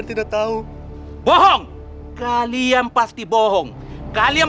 atau kata kata yang sengaja